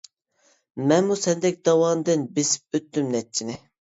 مەنمۇ سەندەك داۋاندىن، بېسىپ ئۆتتۈم نەچچىنى.